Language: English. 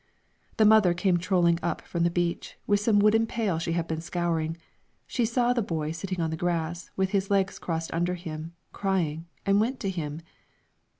The mother came trolling up from the beach, with some wooden pails she had been scouring; she saw the boy sitting on the grass, with his legs crossed under him, crying, and went to him.